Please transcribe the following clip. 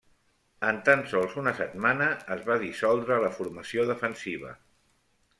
En tan sols una setmana, es va dissoldre la formació defensiva.